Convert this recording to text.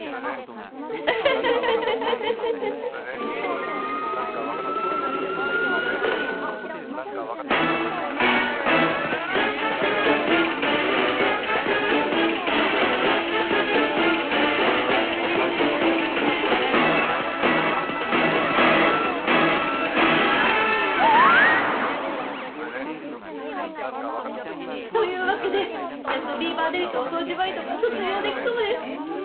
フフフフ！というわけでやっとビーバーデリとお掃除バイトが卒業できそうです！